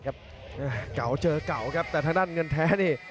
เก่าเจอเก่าครับแต่ทางด้านเงินแท้นี่